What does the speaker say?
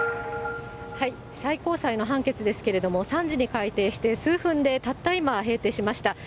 最高裁の判決ですけれども、３時に開廷して数分でたった今、閉廷しました。